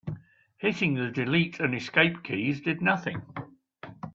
Hitting the delete and escape keys did nothing.